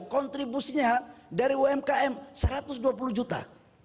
kontribusinya dari umkm satu ratus dua puluh juta